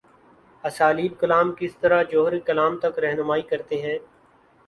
اسالیب کلام کس طرح جوہرکلام تک راہنمائی کرتے ہیں؟